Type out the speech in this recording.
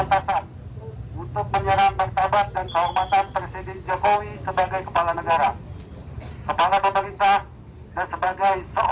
untuk menyerang pertabat dan kehormatan presiden jokowi sebagai kepala negara